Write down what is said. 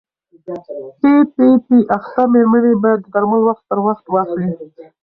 پي پي پي اخته مېرمنې باید درمل وخت پر وخت واخلي.